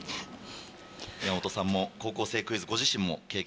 山本さんも『高校生クイズ』ご自身も経験されました。